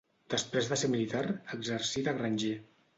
Després de ser militar, exercí de granger.